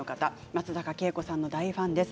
松坂慶子さんの大ファンです。